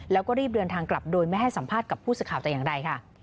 แล้วก็รีบเดินทางกลับโดยไม่ให้สัมภาษณ์กับผู้สื่อข่าวแต่อย่างใดค่ะ